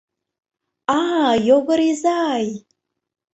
А, Йогор изай!